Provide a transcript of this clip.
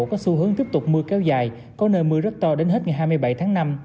có xu hướng tiếp tục mưa kéo dài có nơi mưa rất to đến hết ngày hai mươi bảy tháng năm